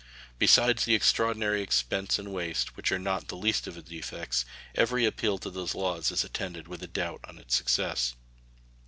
Besides the extraordinary expense and waste, which are not the least of the defects, every appeal to those laws is attended with a doubt on its success.